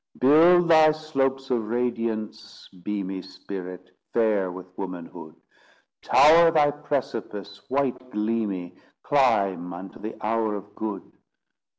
Build thy slopes of radiance beamy Spirit, fair with womanhood! Tower thy precipice, white gleamy, Climb unto the hour of good.